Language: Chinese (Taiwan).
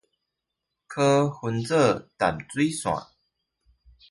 可分為淡水線